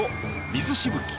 水しぶき